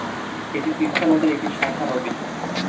এটি তিস্তা নদীর একটি শাখানদী।